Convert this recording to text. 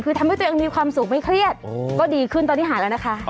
คือทำให้ตัวเองมีความสุขไม่เครียดก็ดีขึ้นตอนนี้หายแล้วนะคะ